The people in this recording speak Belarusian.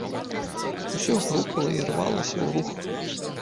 Усё грукала і рвалася ў рух.